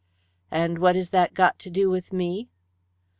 "And what has that got to do with me?"